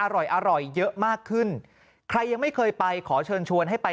อร่อยอร่อยเยอะมากขึ้นใครยังไม่เคยไปขอเชิญชวนให้ไป